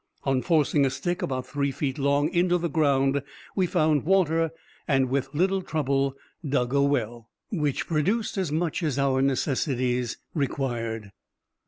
On forcing a stick about three feet long into the ground, we found water, and with little trouble dug a well, which produced as much as our necessities required.